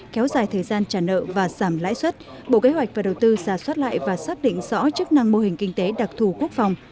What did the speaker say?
kéo dài thời gian trả nợ và giảm lãi suất bộ kế hoạch và đầu tư giả soát lại và xác định rõ chức năng mô hình kinh tế đặc thù quốc phòng